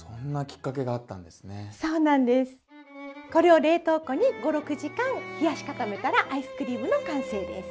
これを冷凍庫に５６時間冷やし固めたらアイスクリームの完成です。